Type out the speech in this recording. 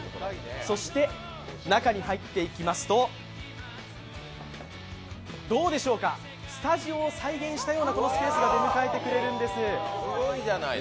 そして中に入っていきますと、どうでしょうか、スタジオを再現したようなこのスペースが出迎えてくれるんです。